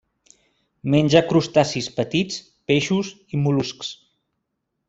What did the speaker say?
Menja crustacis petits, peixos i mol·luscs.